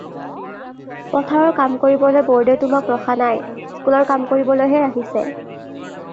পথাৰৰ কাম কৰিবলৈ ব'ৰ্ডে তোমাক ৰখা নাই, স্কুলৰ কাম কৰিবলৈহে ৰাখিছে।